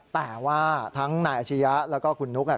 แต่ว่าทั้งนายอาชียะแล้วก็คุณนุ๊ก